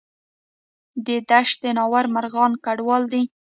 د دشت ناور مرغان کډوال دي